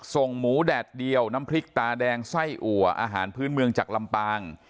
หมูแดดเดียวน้ำพริกตาแดงไส้อัวอาหารพื้นเมืองจากลำปาง